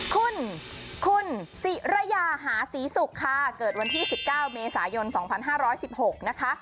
คุณคุณสิระยาหาศรีศุกร์ค่ะเกิดวันที่๑๙เมษายน๒๕๑๖นะคะ